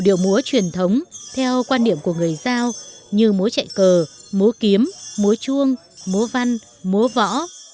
điệu múa truyền thống theo quan điểm của người giao như múa chạy cờ múa kiếm múa chuông múa văn múa võ